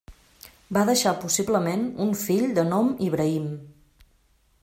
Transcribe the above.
Va deixar possiblement un fill de nom Ibrahim.